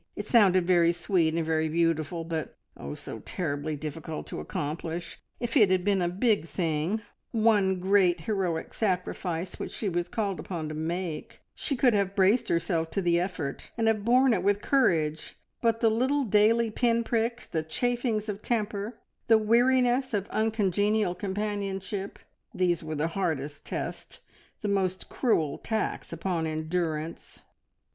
It sounded very sweet and very beautiful, but, oh, so terribly difficult to accomplish! If it had been a big thing, on great, heroic sacrifice which she was called upon to make, she could have braced herself to the effort, and have borne it with courage, but the little daily pin pricks, the chafings of temper, the weariness of uncongenial companionship these were the hardest test, the most cruel tax upon endurance.